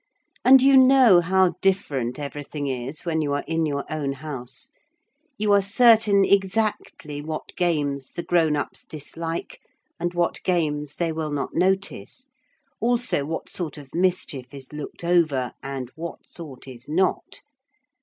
And you know how different everything is when you are in your own house. You are certain exactly what games the grown ups dislike and what games they will not notice; also what sort of mischief is looked over and what sort is not.